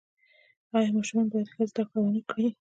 آیا ماشومان باید ښه زده کړه ونکړي؟